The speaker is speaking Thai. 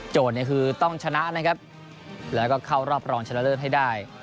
โจทย์คือต้องชนะและเข้ารอบรองชนะเลิศให้ได้